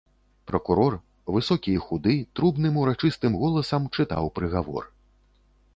Пракурор, высокі і худы, трубным урачыстым голасам чытаў прыгавор.